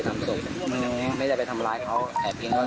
ติดต่อวัดก็๗๐๐๐บาท